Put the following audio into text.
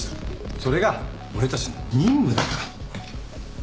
それが俺たちの任務だから。